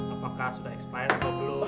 apakah sudah expired atau belum